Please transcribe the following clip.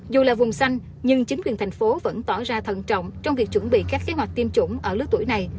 dù là vùng xanh nhưng chính quyền thành phố vẫn tỏ ra thận trọng trong việc chuẩn bị các kế hoạch tiêm chủng ở lứa tuổi này